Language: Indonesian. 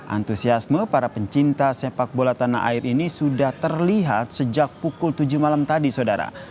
antusiasme para pencinta sepak bola tanah air ini sudah terlihat sejak pukul tujuh malam tadi saudara